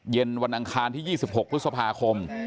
วันอังคารที่๒๖พฤษภาคม